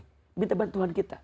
yang minta bantuan kita